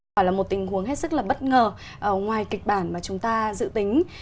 quả là một tình huống hết sức là bất ngờ ngoài kịch bản mà chúng ta dự tính